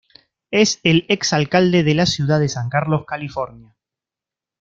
Es el ex-alcalde de la ciudad de San Carlos, California.